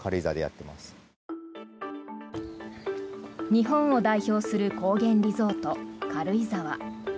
日本を代表する高原リゾート軽井沢。